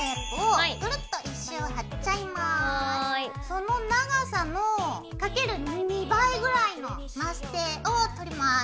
その長さのかける２倍ぐらいのマステを取ります。